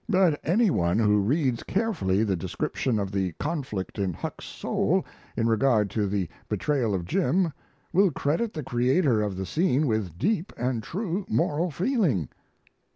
But any one who reads carefully the description of the conflict in Huck's soul, in regard to the betrayal of Jim, will credit the creator of the scene with deep and true moral feeling.